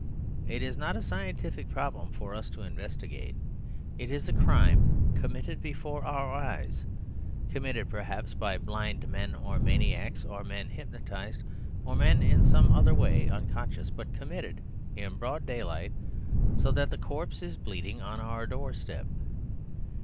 It is not a scientific problem for us to investigate. It is a crime committed before our eyes; committed, perhaps, by blind men or maniacs, or men hypnotised, or men in some other ways unconscious; but committed in broad daylight, so that the corpse is bleeding on our door step.